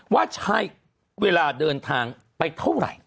ว่าใช้เวลาเดินทางไปเท่าไหร่